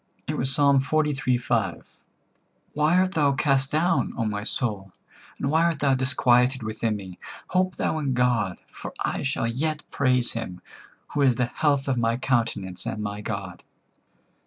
It was Ps. xliii. 5: "Why art thou cast down, O my soul? And why art thou disquieted within me? Hope thou in God: for I shall yet praise him, who is the health of my countenance, and my God."